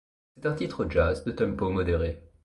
C'est un titre jazz, de tempo modéré.